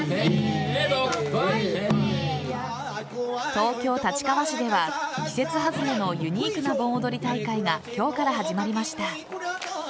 東京・立川市では季節外れのユニークな盆踊り大会が今日から始まりました。